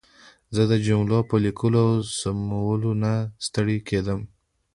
زه د جملو په لیکلو او سمولو نه ستړې کېدم.